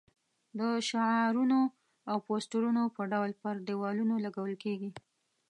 د شعارونو او پوسټرونو په ډول پر دېوالونو لګول کېږي.